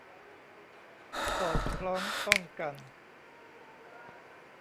สอดคล้องต้องกัน